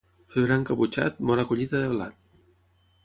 Febrer encaputxat, bona collita de blat.